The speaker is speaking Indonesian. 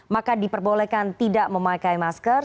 maka diperbolehkan tidak memakai masker